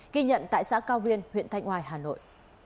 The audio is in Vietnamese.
ghi nhận tại xã cao viên huyện thanh oai hà nội